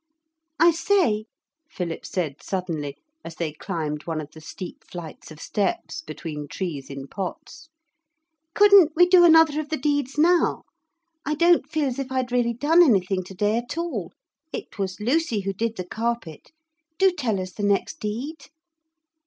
'I say,' Philip said suddenly, as they climbed one of the steep flights of steps between trees in pots, 'couldn't we do another of the deeds now? I don't feel as if I'd really done anything to day at all. It was Lucy who did the carpet. Do tell us the next deed.'